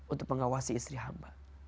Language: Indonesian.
untuk mengawasi istri hamba